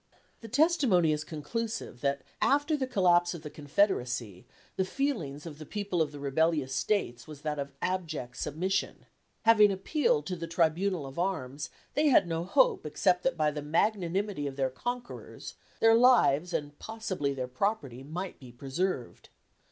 "The testimony is conclusive that after the collapse of the Confederacy the feeling of the people of the rebellious States was that of abject submission. Having appealed to the tribunal of arms, they had no hope except that by the magnanimity of their conquerors, their lives, and possibly their property, might be preserved.